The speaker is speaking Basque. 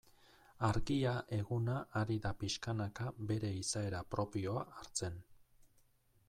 Argia eguna ari da pixkanaka bere izaera propioa hartzen.